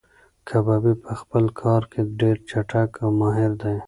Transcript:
کبابي په خپل کار کې ډېر چټک او ماهیر دی.